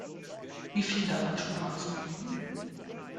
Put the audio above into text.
Wie viel darf ein Schulranzen wiegen?